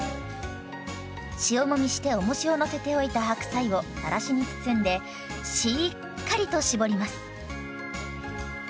塩もみしておもしをのせておいた白菜をさらしに包んでしっかりと搾ります。